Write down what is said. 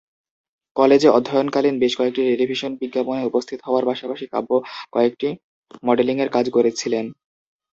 কলেজে অধ্যয়নকালীন বেশ কয়েকটি টেলিভিশন বিজ্ঞাপনে উপস্থিত হওয়ার পাশাপাশি কাব্য কয়েকটি মডেলিংয়ের কাজ করেছিলেন।